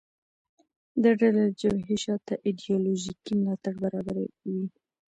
دا ډله د جبهې شا ته ایدیالوژیکي ملاتړ برابروي